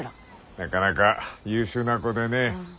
なかなか優秀な子でね